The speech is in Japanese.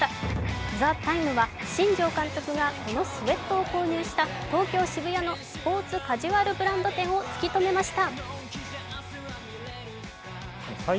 「ＴＨＥＴＩＭＥ，」は新庄監督がこのスエットを購入した東京・澁谷のスポーツカジュアルブランド店を突き止めました。